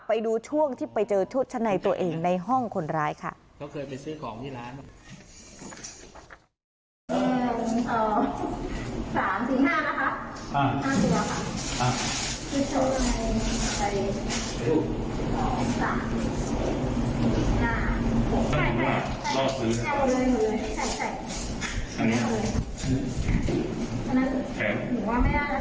ไปดูช่วงที่ไปเจอชุดชั้นในตัวเองในห้องคนร้ายค่ะเขาเคยไปซื้อของที่ร้าน